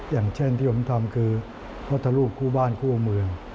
อย่างเช่นที่ผมทำคือพระพุทธรูปคู่บ้านคู่เมือง